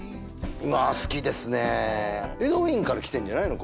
まあ好きですねＥＤＷＩＮから来てんじゃないの？